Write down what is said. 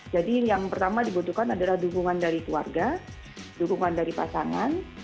jadi yang pertama dibutuhkan adalah dukungan dari keluarga dukungan dari pasangan